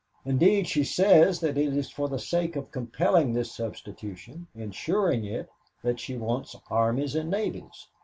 Indeed she says that it is for the sake of compelling this substitution insuring it that she wants armies and navies.